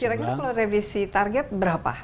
kira kira kalau revisi target berapa